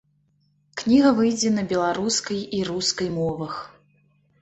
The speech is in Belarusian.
Кніга выйдзе на беларускай і рускай мовах.